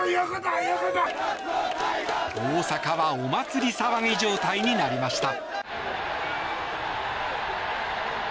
大阪はお祭り騒ぎ状態になりました。